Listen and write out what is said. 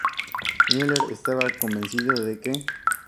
Müller estaba convencido de que